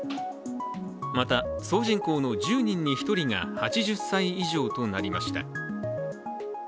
また、総人口の１０人に１人が８０歳以上となりました。